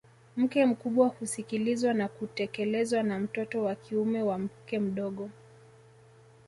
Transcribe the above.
Mke mkubwa husikilizwa na kutekelezwa na mtoto wa kiume wa mke mdogo